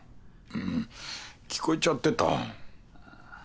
うん聞こえちゃってた。